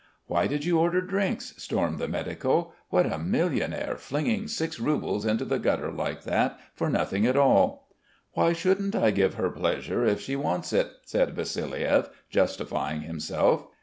"Why did you order drinks?" stormed the medico. "What a millionaire, flinging six roubles into the gutter like that for nothing at all." "Why shouldn't I give her pleasure if she wants it?" said Vassiliev, justifying himself.